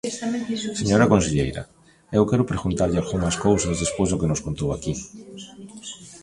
Señora conselleira, eu quero preguntarlle algunhas cousas, despois do que nos contou aquí.